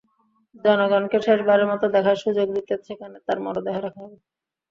জনগণকে শেষবারের মতো দেখার সুযোগ দিতে সেখানে তাঁর মরদেহ রাখা হবে।